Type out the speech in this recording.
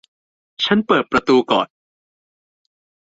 ฉันเปิดประตูก่อน